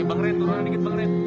oke banggerin kurang dikit banggerin